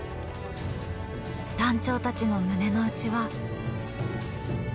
団長たちの胸の内は？